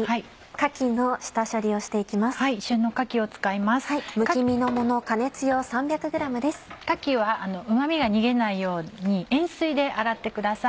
かきはうま味が逃げないように塩水で洗ってください。